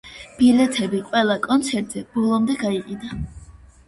ბილეთები ყველა კონცერტზე ბოლომდე გაიყიდა.